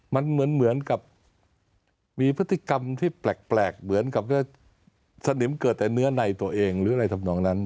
มันเหมือนกับมีพฤติกรรมที่แปลกเหมือนกับสนิมเกิดแต่เนื้อในตัวเองหรืออะไรทำนองนั้น